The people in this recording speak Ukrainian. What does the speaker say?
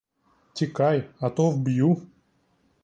Тікай, а то вб'ю!